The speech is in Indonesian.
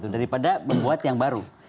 daripada membuat yang baru